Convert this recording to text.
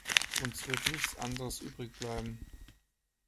Uns wird nichts anderes übrig bleiben.